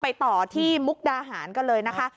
ต่อที่มุกดาหารกันเลยนะคะ